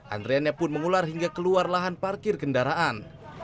antreannya pun mengular hingga keluar lahan parkir kendaraan